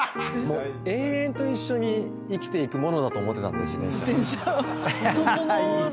延々と一緒に生きていく物だと思ってたんで自転車。